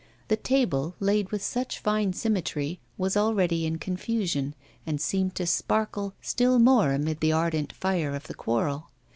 The table, laid with such fine symmetry, was already in confusion, and seemed to sparkle still more amid the ardent fire of the quarrel.